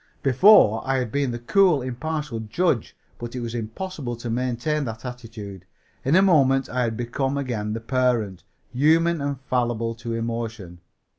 Before, I had been the cool, impartial judge, but it was impossible to maintain that attitude. In a moment I had become again the parent, human and fallible to emotion.